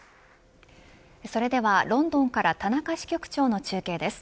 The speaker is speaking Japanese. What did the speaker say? それではロンドンから田中支局長の中継です。